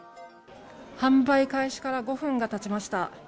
販売開始から５分が経ちました。